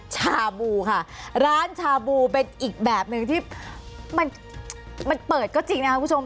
ชาบูค่ะร้านชาบูเป็นอีกแบบหนึ่งที่มันเปิดก็จริงนะครับคุณผู้ชม